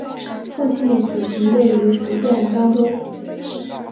父系祖籍位于福建漳州府。